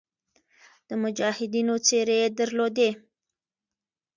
د مجاهدینو څېرې یې درلودې.